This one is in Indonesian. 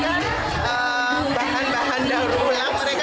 pemasyarakatan ini dengan menggunakan bahan bahan daur ulang